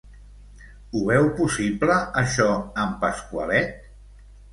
Ho veu possible, això, en Pasqualet?